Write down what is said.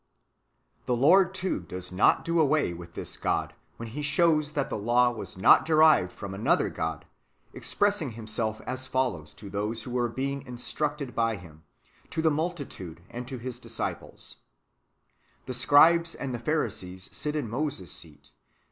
The Lord, too, does not do away with this [God], when He shows that the law was not derived from another God, expressing Himself as follows to those who were being in structed by Him, to the multitude and to His disciples : ''The scribes and Pharisees sit in Moses' seat.